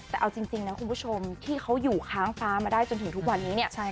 แต่เอาจริงนะคุณผู้ชมที่เขาอยู่ค้างฟ้ามาได้จนถึงทุกวันนี้เนี่ย